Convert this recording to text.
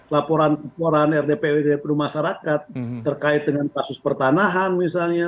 laporan laporan rdpw dari masyarakat terkait dengan kasus pertanahan misalnya